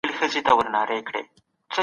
تاسو خپله مرسته جاري وساتئ.